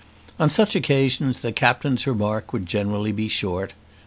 On such occasions the Captain's remark would generally be short.